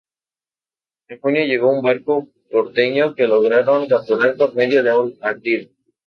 En junio llegó un barco porteño, que lograron capturar por medio de un ardid.